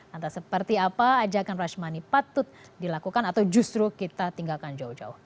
antas seperti apa ajakan rush money patut dilakukan atau justru kita tinggalkan jauh jauh